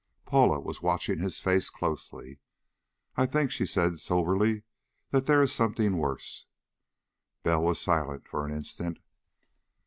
Paula was watching his face closely. "I think," she said soberly, "that there is something worse." Bell was silent for an instant.